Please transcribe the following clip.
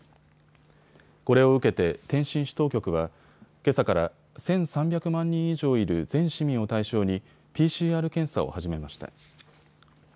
これを受けて天津市当局はけさから１３００万人以上いる全市民を対象にＰＣＲ検査を始めました。